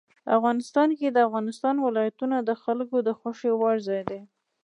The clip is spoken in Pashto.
افغانستان کې د افغانستان ولايتونه د خلکو د خوښې وړ ځای دی.